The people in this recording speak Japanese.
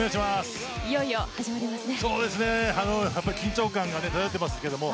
いよいよ始まりますね。